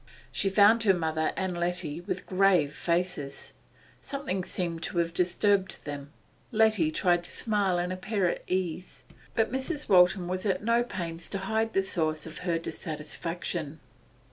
She found her mother and Letty with grave faces; something seemed to have disturbed them. Letty tried to smile and appear at ease, but Mrs. Waltham was at no pains to hide the source of her dissatisfaction.